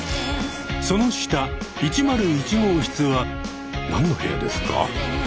その下１０１号室は何の部屋ですか？